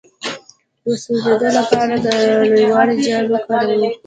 د سوځیدو لپاره د الوویرا جیل وکاروئ